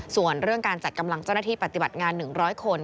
ส่วนเรื่องการจัดกำลังเจ้าหน้าที่ปฏิบัติงาน๑๐๐คน